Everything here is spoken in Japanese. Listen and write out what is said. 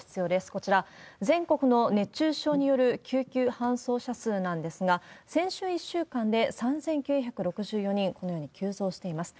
こちら、全国の熱中症による救急搬送者数なんですが、先週一週間で３９６４人、このように急増しています。